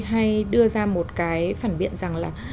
hay đưa ra một cái phản biện rằng là